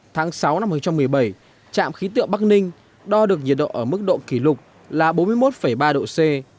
tháng sáu năm hai nghìn một mươi bảy trạm khí tượng bắc ninh đo được nhiệt độ ở mức độ kỷ lục là bốn mươi một ba độ c